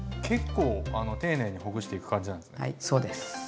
結構丁寧にほぐしていく感じなんですね。